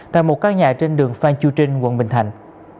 tại một căn nhà trên đường phan chu trinh quận bình thạnh